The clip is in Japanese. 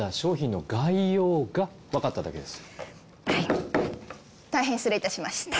はいたいへん失礼いたしました。